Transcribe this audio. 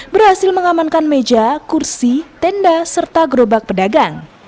berhasil mengamankan meja kursi tenda serta gerobak pedagang